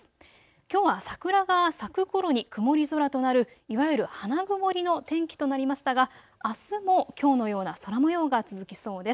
きょうは桜が咲くころに曇り空となるいわゆる花曇りの天気となりましたがあすもきょうのような空模様が続きそうです。